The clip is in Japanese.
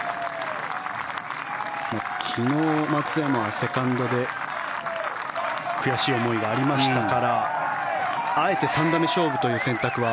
昨日、松山はセカンドで悔しい思いがありましたからあえて３打目勝負という選択は。